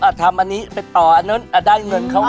ทำอันนี้ไปต่ออันนั้นได้เงินเข้ามา